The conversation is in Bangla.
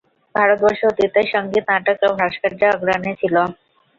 ভারতবর্ষ অতীতে সঙ্গীত, নাটক ও ভাস্কর্যে অগ্রণী ছিল।